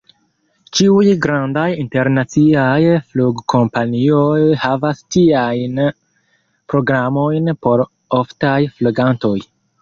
Ĉiuj grandaj internaciaj flugkompanioj havas tiajn programojn por oftaj flugantoj.